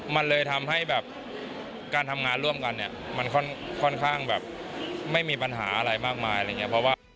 มันเลยทำให้การทำงานร่วมกันค่อนข้างไม่มีปัญหาอะไรมากมาย